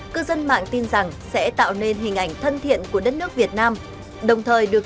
cư dân mạng tin rằng sẽ tạo nên hình ảnh thân thiện của đất nước việt nam đồng thời được